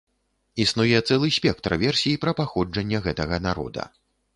Існуе цэлы спектр версій пра паходжанне гэтага народа.